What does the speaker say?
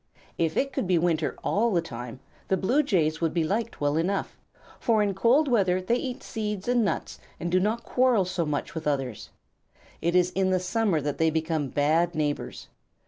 If it could be winter all the time, the Blue Jays could be liked well enough, for in cold weather they eat seeds and nuts and do not quarrel so much with others. It is in the summer that they become bad neighbors.